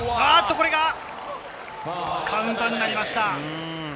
これはカウントになりました。